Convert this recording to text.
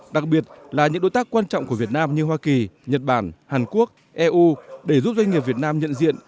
đặc biệt là những đối tác quan trọng của việt nam như hoa kỳ nhật bản hàn quốc eu để giúp doanh nghiệp việt nam nhận diện